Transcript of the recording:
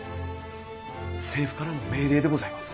政府からの命令でございます。